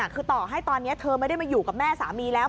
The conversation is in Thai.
คือต่อให้ตอนนี้เธอไม่ได้มาอยู่กับแม่สามีแล้ว